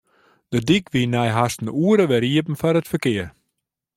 De dyk wie nei hast in oere wer iepen foar it ferkear.